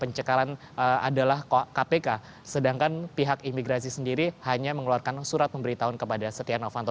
pencekalan adalah kpk sedangkan pihak imigrasi sendiri hanya mengeluarkan surat pemberitahuan kepada setia novanto